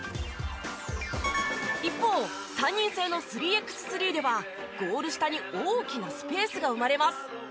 一方３人制の３ｘ３ではゴール下に大きなスペースが生まれます。